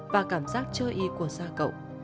và cảm giác chơi y của da cậu